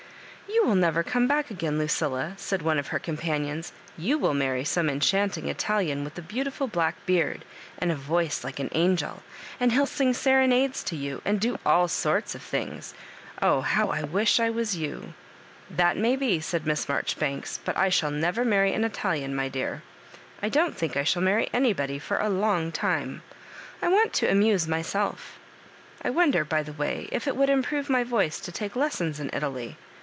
" You will never come back again, Lucilla,'' said one of her companions ;" you will marry some enchanting Italian with a beautiful black beard, and a voice like an angel ; and he'll sing serenades to you, and do all sorts of things : oh, how I wish I was you 1" " That may be," said Miss Marjoribanks, " but I shall never marry an Italian, my dear. I don't think I shall marry anybody for a long time. I want to amuse myself I wonder, by the way,, if it would improve my voice to take lessons in Italy.